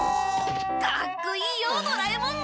かっこいいよドラえもん！